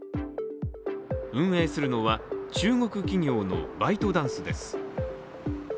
運営するのは中国企業のバイトダンスです。